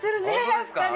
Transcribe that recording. やっぱり。